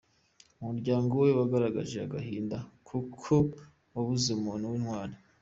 Umuryango we wagaragaje agahinda kuko wabuze umuntu w’intwari.